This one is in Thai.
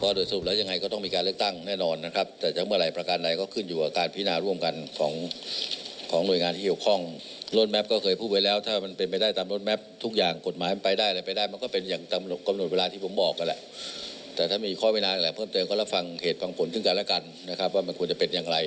ผู้โชคก็ได้ก็ละฟังเหตุผลตึงการและการว่ามันควรจะเป็นอย่างไร